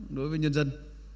đối với nhân dân